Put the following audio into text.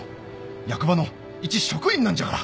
役場の一職員なんじゃから。